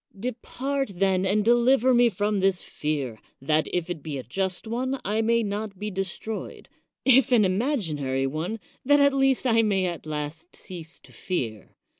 Depart, then, and deliver me from this fear — that, if it be a just one, I may not be de stroyed ; if an imaginary one, that at least I may at last cease to fear.